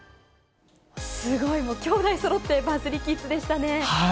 すごい、姉弟そろってバズリキッズでしたね。